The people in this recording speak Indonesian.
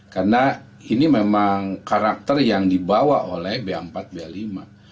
karena ini memang karakter yang dibawa oleh b a empat dan b a lima